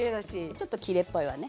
ちょっときれいっぽいわね。